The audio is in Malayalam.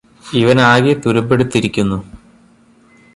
ഇവനാകെ തുരുമ്പെടുത്തിരിക്കുന്നു